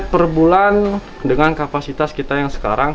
per bulan dengan kapasitas kita yang sekarang